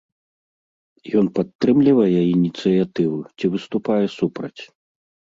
Ён падтрымлівае ініцыятыву ці выступае супраць?